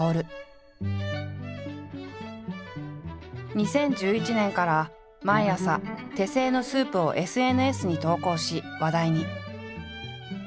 ２０１１年から毎朝手製のスープをＳＮＳに投稿し話題に。